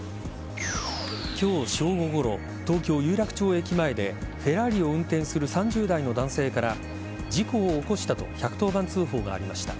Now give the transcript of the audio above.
今日正午ごろ東京・有楽町駅前でフェラーリを運転する３０代の男性から事故を起こしたと１１０番通報がありました。